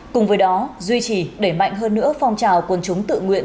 cùng với đó duy trì để mạnh hơn nữa phong trào quần chúng tự nguyện